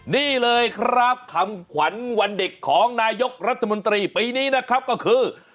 นี่เลยครับคำขวัญวันเด็กของนายกรัฐมนตรีปีนี้นะครับก็คือ